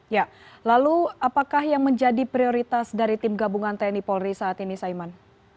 ya lalu apakah yang menjadi prioritas dari tim gabungan tni polri saat ini saiman